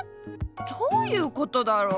どういうことだろう？